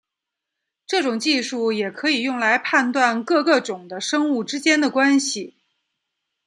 这种技术也可以用来判断各个种的生物之间的关系。